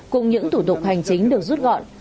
cùng những thủ tục hành chính được rút gọn